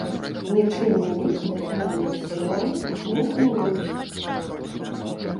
Нічыйны лік да фінальнай сірэны не змяніўся.